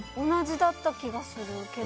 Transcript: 同じだった気がする。